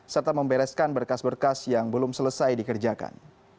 serta membereskan berkas berkas yang belum selesai dikerjakan